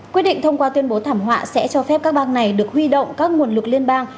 quyết định thông qua tuyên bố thảm họa sẽ cho phép các bang này được huy động các nguồn lực liên bang